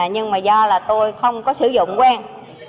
nhưng mà do là tôi không có sử dụng quen